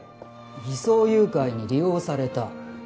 偽装誘拐に利用された。